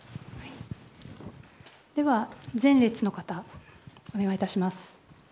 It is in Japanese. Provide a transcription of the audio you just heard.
では、前列の方お願いいたします。